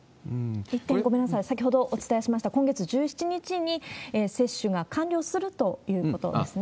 一点、ごめんなさい、先ほどお伝えしました、今月１７日に接種が完了するということですね。